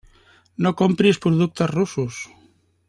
No compris productes russos!